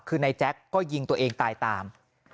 คือนายแจ็คก็ยิงตัวเองตายตาม